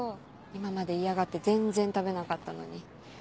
今まで嫌がって全然食べなかったのに。